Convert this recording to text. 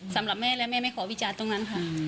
สำหรับแม่และแม่ไม่ขอวิจารณ์ตรงนั้นค่ะ